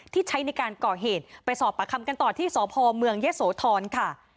ที่ใช้ในการก่อเหตุไปสอบประคำกันต่อที่สพเมืองยะโสธรค่ะ